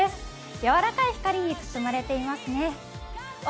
やわらかい光に包まれていますね。